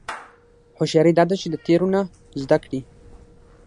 هوښیاري دا ده چې د تېرو نه زده کړې.